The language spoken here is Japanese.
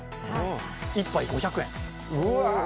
１杯５００円。